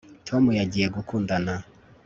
Tom yagiye gukundana